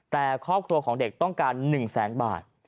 แต่ครอบครัวของเด็กต้องการ๑แสนบาท